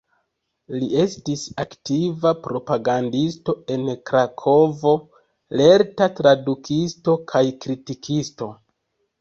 Li estis aktiva propagandisto en Krakovo, lerta tradukisto kaj kritikisto.